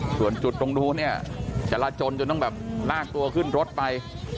ส่วนจุดตรงนู้นเนี่ยจราจนจนต้องแบบลากตัวขึ้นรถไป